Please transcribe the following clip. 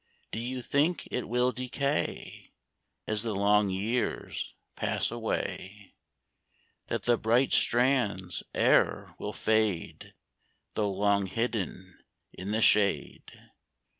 Do you think it will decay As the long years pass away ? That the bright strands e'er will fade, Though long hidden in the shade